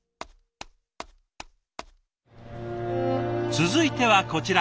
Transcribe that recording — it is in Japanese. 続いてはこちら。